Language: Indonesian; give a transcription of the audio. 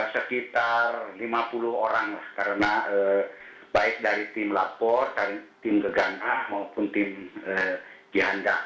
sekitar lima puluh orang karena baik dari tim lapor dari tim gegang a maupun tim jihanda